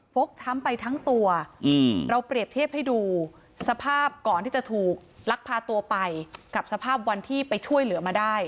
กช้ำไปทั้งตัวเราเปรียบเทียบให้ดูสภาพก่อนที่จะถูกลักพาตัวไปกับสภาพวันที่ไปช่วยเหลือมาได้